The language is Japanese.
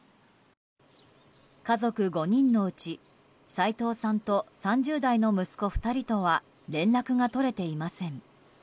家族５人のうち齋藤さんと３０代の息子２人とは連絡が取れていません。